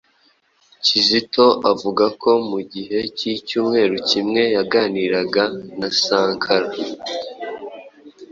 Kizito avuga ko mu gihe cy'icyumweru kimwe, yaganiraga na 'Sankara'